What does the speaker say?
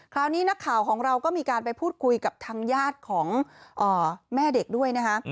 คราวนี้นักข่าวของเราก็มีการไปพูดคุยกับทางญาติของแม่เด็กด้วยนะคะ